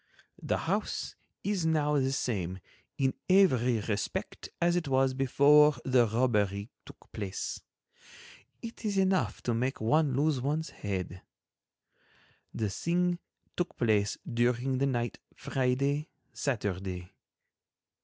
The house is now the same in every respect as it was before the robbery took place. It is enough to make one lose one's head. The thing took place during the night Friday—Saturday.